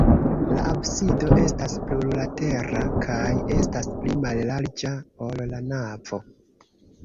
La absido estas plurlatera kaj estas pli mallarĝa, ol la navo.